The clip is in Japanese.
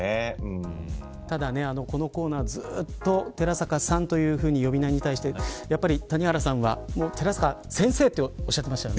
このコーナー、ずっと寺坂さんというふうに呼び名に対して谷原さんは、寺坂先生とおっしゃってましてね。